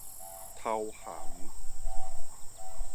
頭銜